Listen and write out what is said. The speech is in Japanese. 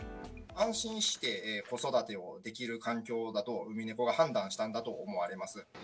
安心して子育てをできる環境だとウミネコが判断したんだと思われます。